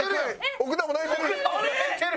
奥田も泣いてる！